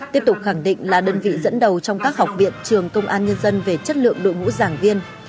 tiếp tục khẳng định là đơn vị dẫn đầu trong các học viện trường công an nhân dân về chất lượng đội ngũ giảng viên